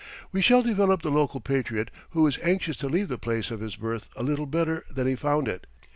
We shall develop the local patriot who is anxious to leave the place of his birth a little better than he found it.